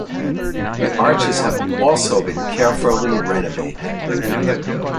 The arches have also been carefully renovated.